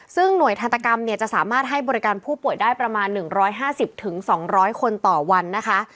ซึ่งหน่วยทันตกรรมเนี่ยจะสามารถให้บริการผู้ป่วยได้ประมาณ๑๕๐๒๐๐คนต่อวันนะคะ